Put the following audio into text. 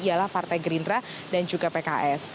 ialah partai gerindra dan juga pks